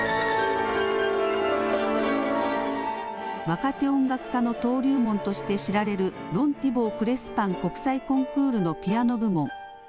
若手音楽家の登竜門として知られるロン・ティボー・クレスパン国際コンクールのピアノ部門。